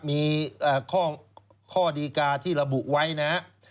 มีข้อดีกาที่ระบุไว้นะครับ